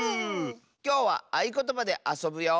きょうはあいことばであそぶよ！